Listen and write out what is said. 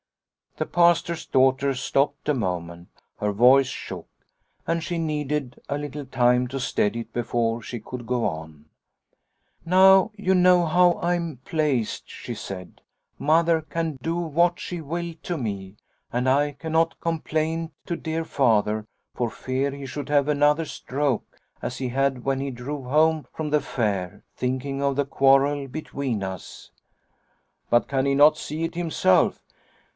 The Pastor's daughter stopped a moment. Her voice shook, and she needed a little time to steady it before" she could go on. " Now you know how I am placed," she said. 80 Liliecrona's Home " Mother can do what she will to me and I can not complain to dear Father for fear he should have another stroke as he had when he drove home from the fair, thinking of the quarrel between us." " But can he not see it himself